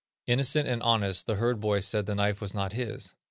Innocent and honest, the herd boy said the knife was not his.